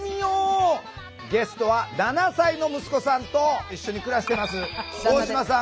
ゲストは７歳の息子さんと一緒に暮らしてます大島さん